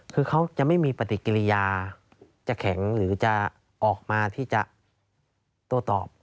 คือเขาจะไม่มีปฏิกิริยาจะแข็งหรือจะออกมาที่จะโต้ตอบ